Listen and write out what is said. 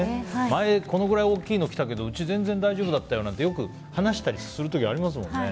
前、このくらい大きいの来たけどうち全然大丈夫だったよとかよく話したりする時ありますもんね。